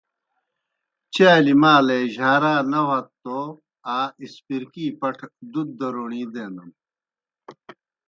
چالیْ مالے جھارا نہ وتھوْ توْ آاسپرکی پٹھہ دُت دہ روݨی دینَن۔